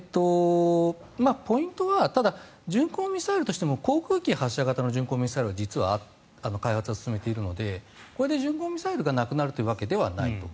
ポイントはただ、巡航ミサイルとしても航空機発射型の巡航ミサイルは実は開発は進めているのでこれで巡航ミサイルがなくなるというわけではないと。